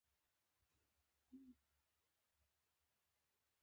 کروندګر د زحمت په مینه ژوند کوي